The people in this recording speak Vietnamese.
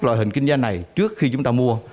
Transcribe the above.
loại hình kinh doanh này trước khi chúng ta mua